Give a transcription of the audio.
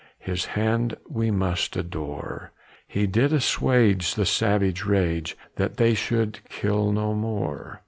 His hand we must adore. He did assuage the savage rage, That they should kill no more.